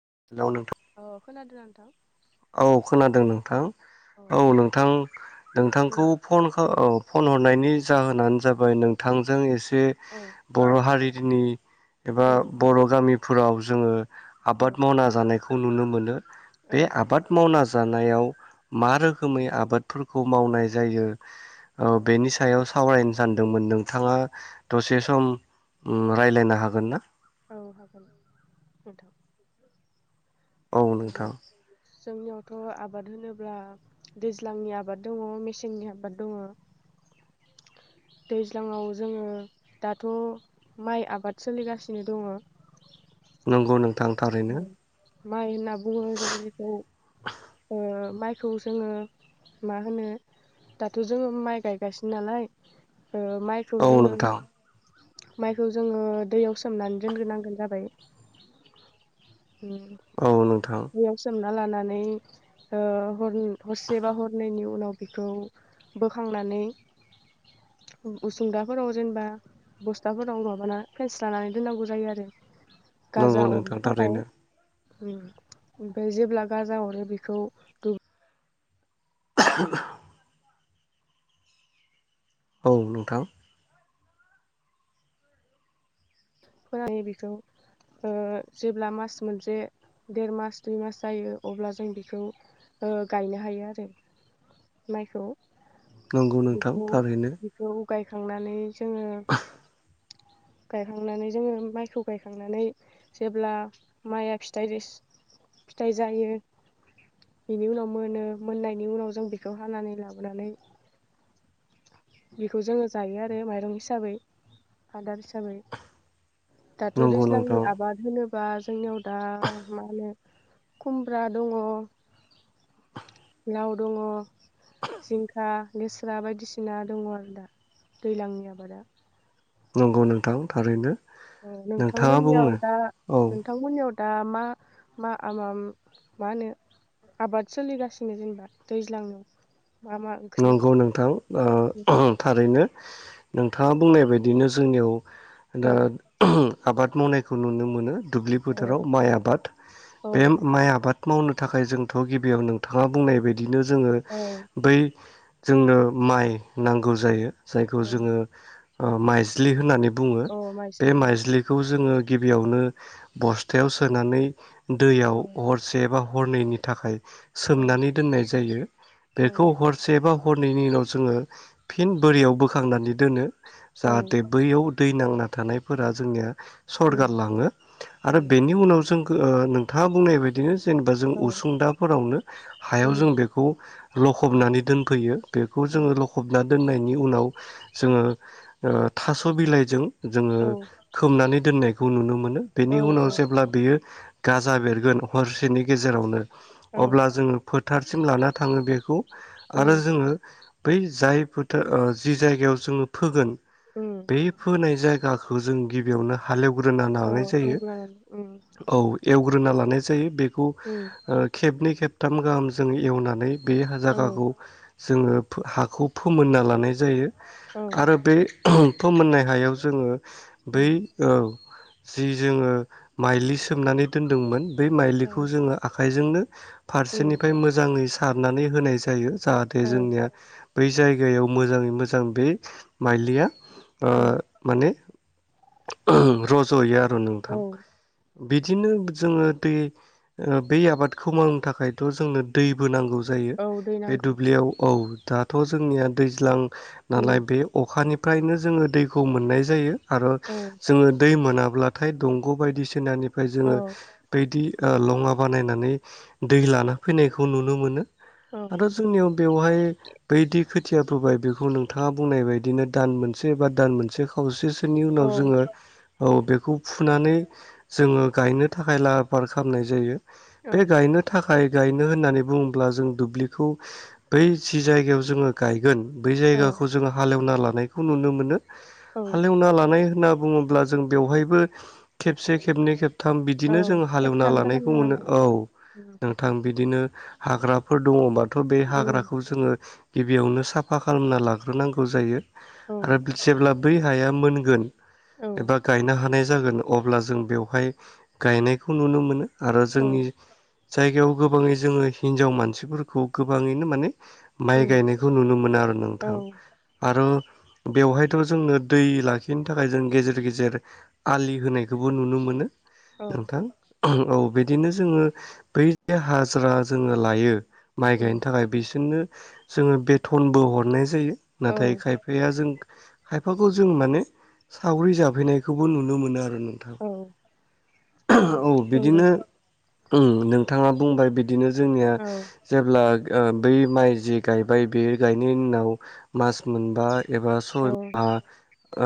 [unintelligible] अ खोनादों नोंथां। औ खोनादों नोंथां औ नोंथां उम नोंथांखौ फन औ। फन हरनायनि जाहोनानो जाबाय नोंथांजों एसे औ बर' हारि जोंनि एबा उम बर' गामिफोराव जोङो औ आबाद मावना जानायखौ खौ नुनो मोनो। बे औ। आबाद मावना जानायाव मा रोखोमै आबादफोरखौ मावनाय जायो? औ बेनि सायाव सावरायनो सानदोंमोन नोंथाङा दसे सम रायज्लायनो हागोन ना? औ हागोन नोंथां। औ नंगौ नोंथां। जोंनियावथ' आबाद होनोब्ला दैज्लांनि आबाद दङ मेसेंनि आबाद दङ दैज्लाङाव जोङो दाथ' माइ आबाद सोलिगासिनो दङ। नंगौ नोंथां। थारैनो। माय होनना बुङो जोंङो जेखौ ओ माइखौ जोङो मा होनो दाथ' जोङो माइ गायगासिनो नालाय माइखौ औ जोङो नोंथां माइखौ जोङो दैयाव सोमनानै दोनग्रोनांगोन जाबाय औ नोंथां दै आव सोमना ना लानानै ह हरसे बा हरनायनि उनाव बेखौ बोखांनानै उसुंदाफोराव जेनेबा बस्थाफोराव माबाना फेस्रा नानै दोननांगौ जायो आरो। नांगौ नोंथां थारैनो उम ओमफ्राय जेब्ला गाजा हरो बेखौ द [inaudible] औ नोंथां फोरानै बेखौ जेब्ला मास मोनसे देर मास दुइ मास जायो अब्ला जों बेखौ गायनो हायो आरो माइखौ नंगौ नोंथां बेखौ थारैनो बेखौ गायखांनानै जोङो गायखांनानै जोङो माइखौ गायखांनानै जेब्ला माइया फिथाइ फिथाइ जायो बेनि उनाव मोनो मोननायनि उनाव जों बेखौ हानानै लाबोनानै बेखौ जोङो जायो आरो माइरं हिसाबै आदार हिसाबै दाथ' नंगौ दैज्लांनि नोंथां आबाद होनो बा जोंनियाव दा मा होनो खुमब्रा दङ लाव दङ जिंखा, लेस्रा बायदिसिना दङ आरो दा दैज्लांनि आबादा, नंगौ नोंथां थारैनो औ नोंथाङा बुंनो नोंथांमोननियाव दा औ नोंथांमोननियाव दा मा मा मा होनो आबाद सोलिगासिनो जेनेबा दैज्लांनि नंगौ नोंथां ओ थारैनो नोंथाङा बुंनाय बायदिनो जोंनियाव औ दा आबाद मावनायखौ नुनो मोनो दुब्लि औ फोथाराव माइ आबाद बे औ माइ आबाद मावनो थाखाय जोंथ' गिबियाव नोंथाङा बुंनाय बाय दिनो जोङो औ बै जोंनो माइ नांगौ जायो। जायखौ औ जोङो ओ माइज्लि होननानै बुङो औ बे माइज्लि औ माइज्लिखौ जोङो गिबियावनो बस्थायाव सोनानै दैयाव हरसे बा हरनैनायनि थाखाय औ सोमनानै दोननाय जायो औ बेखौ हरस एबा हरनैनि उनाव जोङो फिन बोरियाव बोखांनानै दोनो जाहाथे औ बैयाव दै नांना थानायफोरा जोंनिया उम सरगारलाङो औ आरो बेनि उनाव जों ओ नोंथाङा बुंनाय बायदिनो जेनेबा जों औ उसुंदाफोरावनो हायाव जों उम बेखौ औ लखबनानै दोनफैयो बेखौ औ जोङो लखबना दोननायनि उनाव जोङो ओह थास' बिलाइजों जोङो औ खोबनानै दोननायखौ नुनो मोनो बेनि औ उनाव औ जेब्ला बेयो गाजा बेरगोन हरसेनि गेजेरावनो औ अब्ला जोङो फो थारसिम लाना थाङो बेखौ आरो उम जोङो बै जाय फोथार ओह जि जायगायाव जोङो फोगोन उम बे फोनाय जायगा गाखो जों गिबियावनो हालेवग्रोना अ लानाय जायो एवग्रोनानै उम औ एवग्रोना ला नाय जायो बे खौ उम खेबनै खेबथाम गाहाम जों एवनानै बे हा औ जायगाखौ जोङो फो हाखौ फोमोनना लानाय जायो। औ आरो बे होम फोमोननाय हायाव जोङो बै उम औ जि जोङो माइलि सोमनानै दोनदोंमोन। बे औ माइलिखौ जोङो आखायजों जोंनो उम फारसेनिफ्राय मोजाङै सारनानै होनाय जायो। जाहाथे औ जोंनिया बै जायगायाव मोजाङै मोजां बे माइलिया ओह औ माने ओहम रज'यो आरो नोंथां औ बिदिनो जोङो दै ओ बे आबादखौ मावनो थाखायथ' जोंनो दैबो नांगौ। जायो औ दै बे नांगौ दुब्लियाव औ दाथ' जोंनिया दैज्लां नालाय उम बे अखानि फ्रायनो जोङो दैखौ मोननाय जायो। आरो औ जोङो दै मोन। मोनाब्लाथाय दंग बायदिसिनानि जोङो औ बायदि ओ लङा बानायनानै दै लाना फैनायखौ नुनो मोनो। औ आरो जोंनियाव बेवहाय बैदि खोथिया फाबाय बे बे खौ नोंथाङा बुंनाय बायदिनो दान मोनसे एबा दान मोनसे खावसे। बिसोरनि उनाव औ जोङो। औ बेखौ फुनानै जोङो गायनो थाखाय लाहार फार खालामनाय जायो। औ बे गायनो थाखाय। फाइ गायनो होननानै बुङोब्ला जों दुब्लिखौ। बेखौ बै जि जायगायाव जोङो गायगोन। बै औ जायगाखौ जोंङो हालेवनानै लानायखौ नुनो मोनो। औ हालेवना लानाय होनना बुङोब्ला जों बेवहायबो खेबसे खेबनै खेब थाम औ बिदिनो जों हालेवना खेबथाम गाहाम लानायखौ मोनो एवनांगौ औ उम नोंथां बिदिनो। हाग्राफोर दङबा। दाथ बे उम हाग्राखौ जोङो गिबियावनो साफा खालामना लाग्रोनांगौ जायो औ आरो जेब्ला बै हाया मोनगोन। औ एबा गायनो हानाय जागोन अब्ला जों बेवहाय गायनायखौ नुनो मोनो आरो औ जोंनि जायगायाव गोबाङै जोङो हिनजाव मानसिफोरखौ। गोबाङैनो माने माइ उम गायनायखौ नुनो मोनो आरो औ नोंथां आरो। बेवहायथ जोंङनो दै लाखिनो थाखाय जों गेजेर गेजेर आलि होनायखौबो नुनो मोनो। नोंथां औ बिदिनो जोङो बै हाजिरा जोङो लायो। माइ उम गायनो थाखाय बिसोरनो। जोङो बेथनबो हरनाय जायो। औ नाथाय खायफाया जों खायफाखौ जों माने सावरि जाफैनायखौबो नुनो मोनो आरो। ओम नोंथां। औ औ नंगौ बिदिनो ओम नोंथाङा बुंबाय बिदि बिदिनो जोंनिया औ अब्ला ओ बै माइ जे गायबाय बे गायनायनि उनाव मास मोनबा एबा सय माहा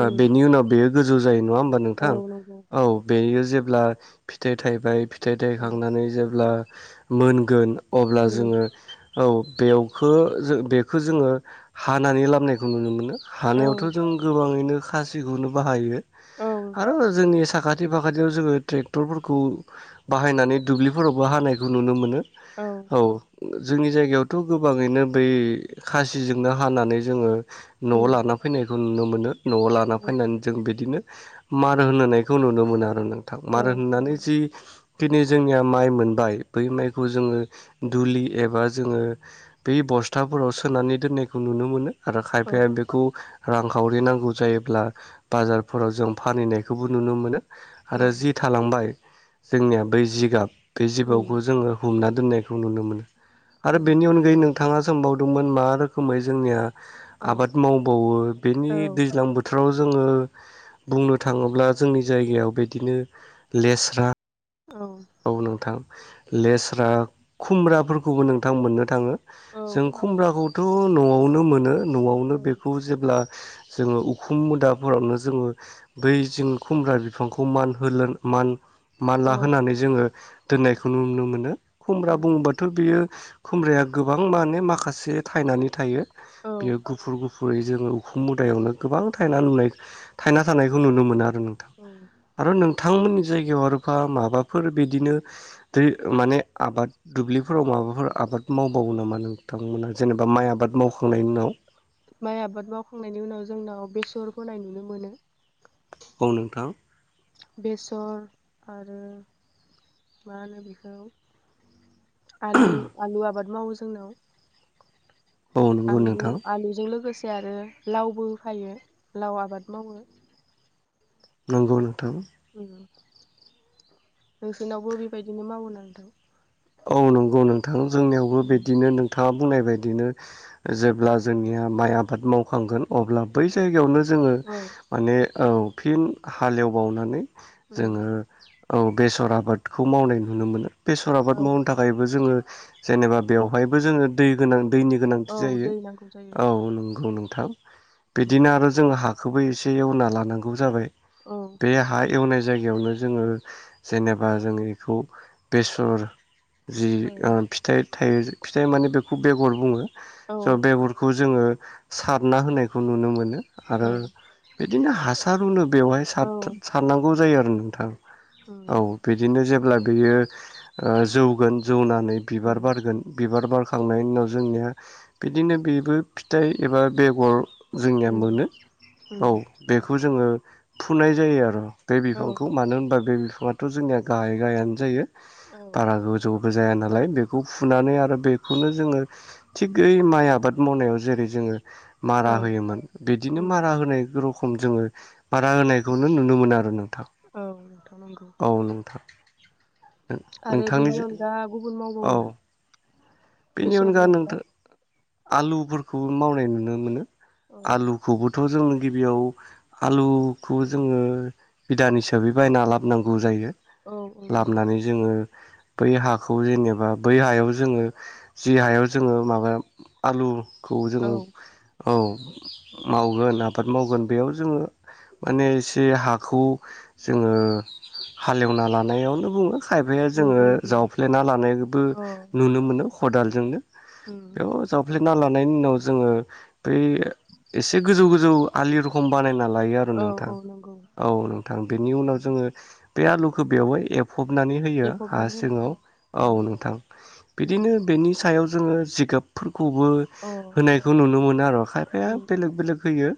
ओ बेनि उनाव बेयो [unintelligible] जायो नङा होनबा औ नोंथां नंगौ औ बेयो जेब्ला फिथाइ थाइबाय फिथाइ औ थाइखांनानै जेब्ला मोनगोन अब्ला उम जोङो औ बेवखो जों बेखो जोङो हानानै लामनायखौ नुनो मोनो। औ हानायावथ' जों गोबाङैनो खासिखौनो बाहायो। औ आरो जोंनि साखा साखाथि फाखाथियाव जोङो ट्रेक्टरफोरखौ बाहायनानै दुब्लिफोरावबो हानायखौ नुनो मोनो। औ जोंनि जायगायावथ' गोबाङैनो बै खासिजोंनो हानानै जोङो न'आव उम लाना फैनाय नुनो मोनो। न'आव लाना औ फैनानै जों बिदिनो मार होनो होनायखौ नुनो मोनो आरो नों। नोंथां मारो औ होननानै नंगौ जि दिनि जोंनिया माइ मोनबाय बै माइखौ जोङो दुलि एबा जोङो बे बस्थाफोराव सोनानै दोननायखौ नुनो मोनो। आरो औ खायफाया बेखौ रांखावरि नांगौ जायोब्ला बाजारफोराव जों फानहैनायखौबो नुनो मोनो। औ आरो जि थालांबाय जोंनिया बै जिगाब बे जिबावखौ उम जोङो हमनानै दोनै नुनो मोनो। औ आरो बेनि अनगायैनो थाङा सोंबावदोंमोन मा रोखोमै जोंनिया आबाद मावबाववो बेनि औ दैज्लां बोथो राव जोङो बुंनो थाङोब्ला जोंनि जायगायाव बिदिनो लेस्रा औ। औ नोंथां लेस्रा खुमब्राफोरखौबो नोंथां मोननो थाङो। औ जों होनबा खुमब्राखौथ। खौ नआवनो मोनो। नआवनो औ बेखौ जेब्ला जोङो उखुम मुदाफोरावनो जोङो बै जों खुमब्रा बिफांखौ मान होलोन मान मानला औ होनानै ओ दोननायखौ नुनो मोनो। खुमब्रा उम बुङोबाथ बियो खुमब्राया गोबां माने माखासे थायनानै थायो। औ बेयो गुफुर गु फुरै जोङो उखुम मुदायावनो गोबां थायना नुनाय थायना थानायखौ नुनो मोना नोंथां औ आरो नों थांमोननि जायगायाव आरोफा माबा फोर बिदिनो दै माने आबाद दुब्लिफोराव माबाफोर आबाद मावबावो नामा नोंथांमोना जेनेबा माइ आबाद मावखांनायनि उनाव? माइ आबाद मावखांनायनि उनाव जोंनाव बेसर फोनाय नुनो मोनो। औ नोंथां। बेसर आरो मा होनो बेखौ आलु आलु आबाद मावो जोंनाव। औ नंगौ आलु नोंथां आलुजों लोगो से आरो लावबो होफायो लाव आबाद मावो। नंगौ नों थां। उम नोंसोरनावबो बेबायदिनो मावोना नोंथां? औ नंगौ नोंथां। जोंनियावबो उम बिदिनो नों थाङा बुंनाय बायदिनो जेब्ला जोंनिया माइ आबाद मावखांगोन अब्ला बै जायगायावनो जोङो औ माने औ फिन हालेवबावनानै उम जोङो औ बेसर आबाद खौ मावनाय नुनो मोनो बे औ मावनो थाखायबो जोङो जेनेबा बेवहायबो जोङो दै गोनां दैनि गोनांथि औ जायो दै नांगौ जायो औ नंगौ नों थाव। उम बिदिनो आरो जोंहा। बेखौबो एसे एवना लानांगौ जाबाय। औ बे हा एवनाय जायगायावनो जोङो जेनेबा जों बेखौ बेसर जि औ फिथाइ फिथाइ माने बेखौ बेगर बुङो। औ बेगरखौ जोङो सारना होनायखौ नुनो मोनो। औ आरो बिदिनो हासार होनो बेवहाय औ सारनांगौ जायो। नोंथां। उम औ बिदिनो जेब्ला बेयो जौगोन जौनानै बिबार उम बारगोन बिबार बार खांनायनि उनाव जोंनिया बिदिनो बेबो फिथाइ एबा बेगर जोंनिया उम मोनो उम औ बेखौ जोङो फुनाय जायो आरो बे औ बिफांखौ मानो होनबा बे थ' जोंनिया गाहाय गाहायानो जायो। औ। बारा गोजौबो जाया नालाय बेखौ फुनानै आरो बेखौनो जोङो थिगै माइ आबाद मावनायाव जेरै जोङो मारा औ होयोमोन बिदिनो उम मारा होनाय खम जोङो बारा होनायखौनो नुनो मोनो आरो नों थां औ नोंथां नंगौ औ नोंथां। आरो नोंथांनि बेनि अनगा गुबुन औ मावबावोना? बेनि अनगा नोंथां आलुफोरखौबो मावनाय नुनो मोनो। औ आलुखौबोथ' जों गिबियाव आलुखौ जोङो बिदान हिसाबै बायना ला नांगौ जायो। औ नंगौ। लाबोनानै जोङो बै हाखौ जेनेबा बै हायाव जोङो जि हायाव जोङो माबा आलु खौ औ जोङो औ। मावगोन आबाद मावगोन बेयाव जोङो माने एसे हाखौ जोङो हालेवना लानायावनो बुङो। खायफाया उम जोङो उम उम जावफ्लेना लानायबो औ नुनो मोनो। खदालजोंनो उम बेयाव जावफ्लेे ना लानायनि उनाव जोङो बे एसे गोजौ गोजौ आलि रखम बानायना लायो आरो औ नोंथां औ नंगौ औ नोंथां बेनि उनाव उम जोङो बे आलुखौ बेवहाय फबनानै होयो हा देफबनानै सिङाव होनांगोन औ नोंथां। बि उम बिदिनो बेनि सायाव जोङो जिगाबफोर खौबो अ होनायखौ नुनो मोनो आरो खायफाया उम उम बेलेग बेलेग होयो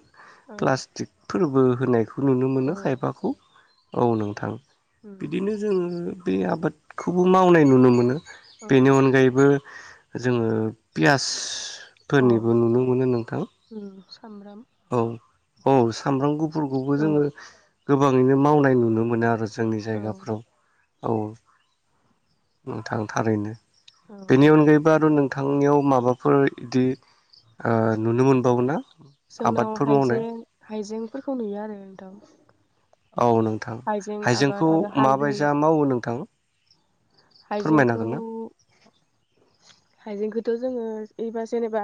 औ प्लास्टिकफोरबो होनायखौ नुनो मोनो अ खायफाखौ औ नोंथां। उम बिदिनो जोङो बे आबाद खौबो मावनाय नुनो मोनो। बेनि औ अनगायैबो जोङो पियास अ फोरनिबो नुनो मोनो नोंथां उम सामब्राम औ औ सामब्राम गुफ फोरखौबो औ जोङो गोबाङैनो मावनाय नुनो मोनो आरो। जोंनि औ जायगाफ्राव। औ नोंथां थारैनो। औ बेनि अनगायैबो आरो नों नोंथांनियाव माबाफोर इदि नुनो मोनबावो ना? जोंनाव आबादफोर मावनाय हाइजें हाइजेंफोरखौ नुयो आरो नोंथां। औ नोंथां हाइजें आबाद हाइजेंखौ आरो हालदै माबायदि मावनो? नोंथां। फोरमायनो हाइजेंखौ हागोन ना हाइजेंखौ थ' जोङो एबा जेनेबा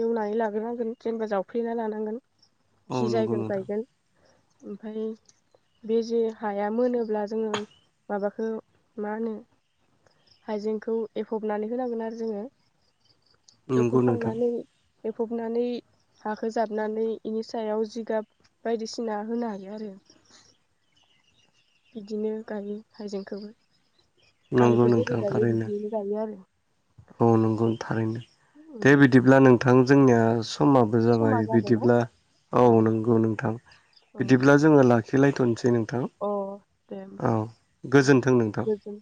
एवनानै लाग्रोनांगोन जेनेबा जावफ्लेना लानांगोन औ जि नंगौ जायगायाव नोंथां गायगोन ओमफ्राय बे जे हाया मोनोब्ला जोङो माबाखौ मा होनो हाइजेंखौ एफबनानै होनांगोन आरो जोङो नंगौ एफब नोंथां खांनानै एफबनानै हाखो जाबनानै यिनि सायाव जिगाब बायदिसिना होनो हायो आरो बिदिनो गायो हाइजेंखौबो नंगौ आलुखो जेरै नोंथां गायो थारैनो बिदिनो गायो आरो औ नंगौ थारैनो दे बिदिब्ला नों नोंथां जोंनिया स समाबो समा जाबाय जाबायना बिदिब्ला औ अ नंगौ नोंथां बिदिब्ला जोङो लाखि लाखिलायथनोसै नोंथां अ दे होमबा औ औ गोजोन्थों नोंथां गोजोन